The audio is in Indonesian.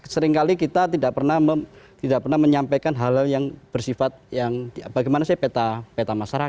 seringkali kita tidak pernah menyampaikan hal yang bersifat yang bagaimana saya peta masyarakat